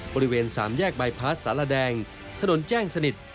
บริเวณสามแยกบายพาสสารแดงถนนแจ้งสนิท